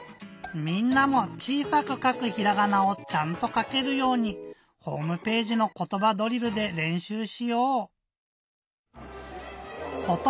みんなも「ちいさくかくひらがな」をちゃんとかけるようにホームページの「ことばドリル」でれんしゅうしよう！